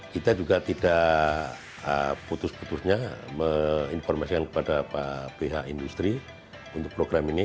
kita juga tidak putus putusnya menginformasikan kepada pihak industri untuk program ini